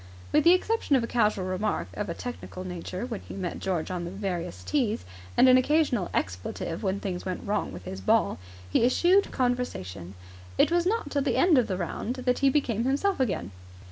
With the exception of a casual remark of a technical nature when he met George on the various tees, and an occasional expletive when things went wrong with his ball, he eschewed conversation. It was not till the end of the round that he became himself again.